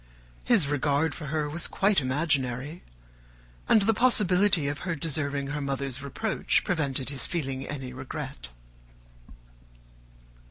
His regard for her was quite imaginary; and the possibility of her deserving her mother's reproach prevented his feeling any regret.